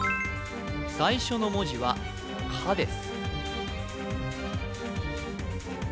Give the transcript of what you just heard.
最初の文字は「か」です